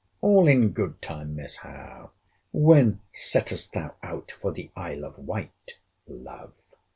—All in good time, Miss Howe. When settest thou out for the Isle of Wight, love?